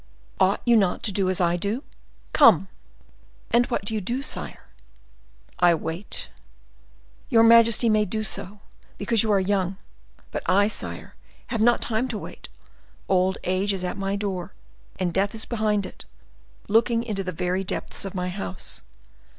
Ought you not to do as I do? Come!" "And what do you do, sire?" "I wait." "Your majesty may do so, because you are young; but I, sire, have not time to wait; old age is at my door, and death is behind it, looking into the very depths of my house.